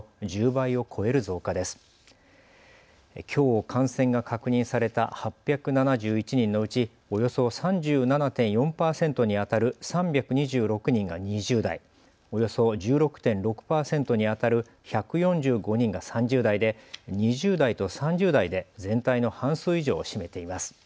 きょう感染が確認された８７１人のうちおよそ３７．４％にあたる３２６人が２０代、およそ１６．６％にあたる１４５人が３０代で２０代と３０代で全体の半数以上を占めています。